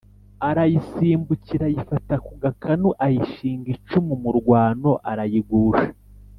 arayisimbukira ayifata ku gakanu ayishinga icumu mu rwano arayigusha